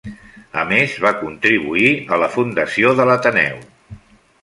A més, va contribuir a la fundació de l'Ateneu.